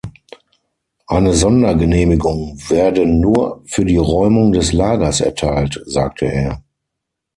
Eine Sondergenehmigung werde nur für die Räumung des Lagers erteilt, sagte er.